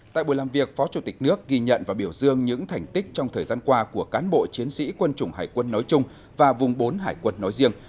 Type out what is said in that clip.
tại buổi làm việc phó chủ tịch nước ghi nhận và biểu dương những thành tích trong thời gian qua của cán bộ chiến sĩ quân chủng hải quân nói chung và vùng bốn hải quân nói riêng